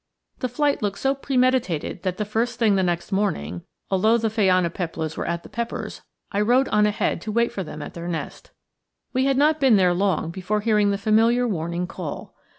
The flight looked so premeditated that the first thing the next morning, although the phainopeplas were at the peppers, I rode on ahead to wait for them at their nest. We had not been there long before hearing the familiar warning call.